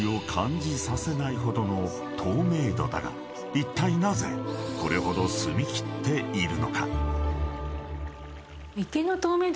［いったいなぜこれほど澄み切っているのか？］